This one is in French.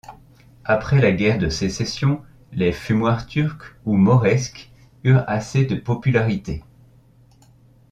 Après la Guerre de Sécession, les fumoirs turcs ou mauresques eurent assez de popularité.